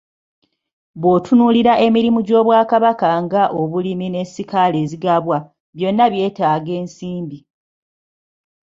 Bw'otunuulira emirimu gy'Obwakabaka nga; obulimi ne ssikaala ezigabwa, byonna byetaaga ensimbi.